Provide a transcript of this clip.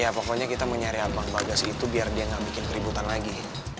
ya pokoknya kita mencari abang bagas itu biar dia gak bikin keributan lagi